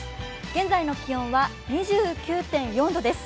現在の気温は２９．４度です。